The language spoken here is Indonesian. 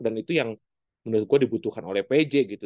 dan itu yang menurut gue dibutuhkan oleh pj gitu